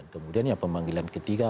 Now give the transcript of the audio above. kemudian ya pemanggilan ketiga